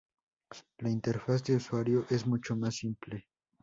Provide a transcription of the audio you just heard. La interfaz de usuario es mucho más simple.